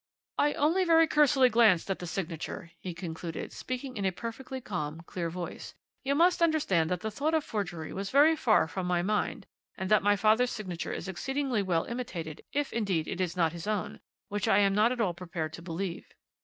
"'I only very cursorily glanced at the signature,' he concluded, speaking in a perfectly calm, clear voice; 'you must understand that the thought of forgery was very far from my mind, and that my father's signature is exceedingly well imitated, if, indeed, it is not his own, which I am not at all prepared to believe.